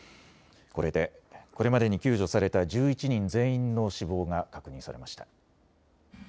これでこれまでに救助された１１人全員の死亡が確認されました。